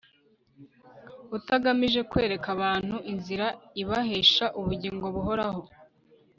utagamije kwereka abantu inzira ibahesha ubugingo buhoraho